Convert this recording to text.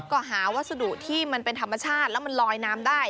ก็หาวัสดุที่มันเป็นธรรมชาติแล้วมันลอยน้ำได้